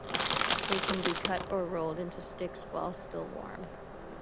It can be cut or rolled into sticks while still warm.